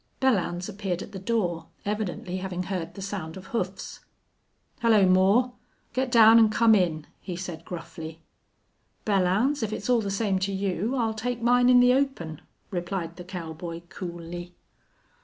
Belllounds appeared at the door, evidently having heard the sound of hoofs. "Hello, Moore! Get down an' come in," he said, gruffly. "Belllounds, if it's all the same to you I'll take mine in the open," replied the cowboy, coolly.